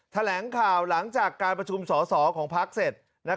แถลงข่าวหลังจากการประชุมสอสอของพักเสร็จ